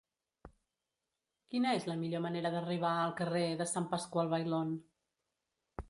Quina és la millor manera d'arribar al carrer de Sant Pasqual Bailón?